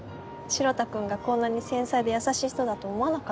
城田君がこんなに繊細で優しい人だと思わなかった。